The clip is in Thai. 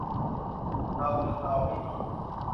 เลาจน เลาไม่มี